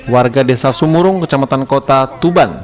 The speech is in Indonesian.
warga desa sumurung kecamatan kota tuban